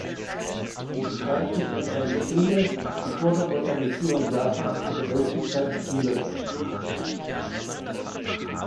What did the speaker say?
Bezeichnet werden damit Filme, die vor der Modernisierung Japans mit der Meiji-Zeit spielen.